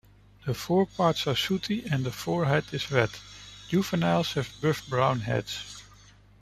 The foreparts are sooty and the forehead is red; juveniles have buff-brown heads.